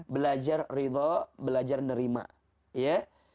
belajar ridho belajar nerima ya